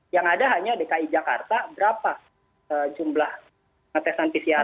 yang ada hanya dki jakarta berapa jumlah ngetesan pcr